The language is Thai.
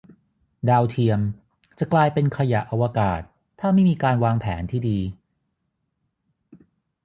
ดาวเทียม จะกลายเป็นขยะอวกาศ ถ้าไม่มีการวางแผนที่ดี